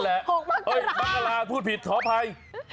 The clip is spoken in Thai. ๖มะกะลาพูดผิดสอบภัย